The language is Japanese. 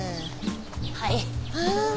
はい。